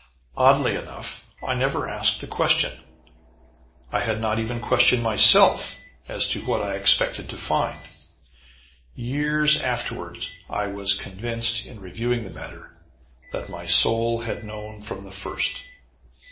Oddly enough, I never asked a question. I had not even questioned myself as to what I expected to find. Years afterward I was convinced, in reviewing the matter, that my soul had known from the first.